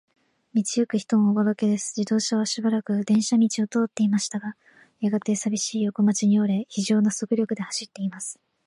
道ゆく人もおぼろげです。自動車はしばらく電車道を通っていましたが、やがて、さびしい横町に折れ、ひじょうな速力で走っています。